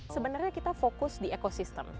sebenarnya kita fokus di ekosistem